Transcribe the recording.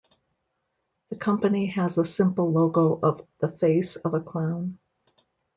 The company has a simple logo of the face of a clown.